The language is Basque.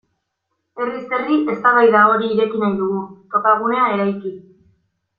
Herriz herri eztabaida hori ireki nahi dugu, topagunea eraiki.